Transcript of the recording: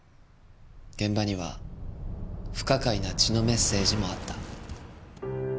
現場には不可解な血のメッセージもあった。